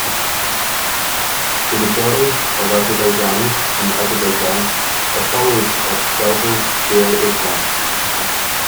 The majority of Azerbaijanis in Azerbaijan are followers of Twelver Shia Islam.